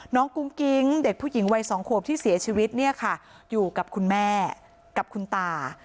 น้องกุ้งกิ้งเด็กผู้หญิงวัย๒ขวบที่เสียชีวิตอยู่กับคุณแม่กับคุณตา